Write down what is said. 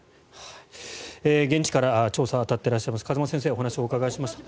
現地から調査に当たっていらっしゃいます風間先生にお話をお伺いしました。